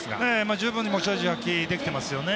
十分に持ち味発揮できてますね。